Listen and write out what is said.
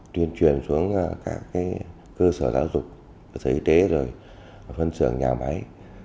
tuyên truyền xuống các cơ sở giáo dục giới y tế phân xưởng nhà máy